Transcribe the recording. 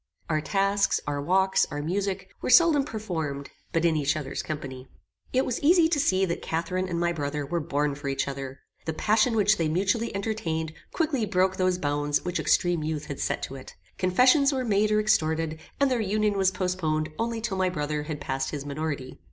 Our tasks, our walks, our music, were seldom performed but in each other's company. It was easy to see that Catharine and my brother were born for each other. The passion which they mutually entertained quickly broke those bounds which extreme youth had set to it; confessions were made or extorted, and their union was postponed only till my brother had passed his minority.